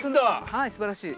はいすばらしい。